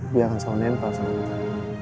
dia akan selalu nempel sama kita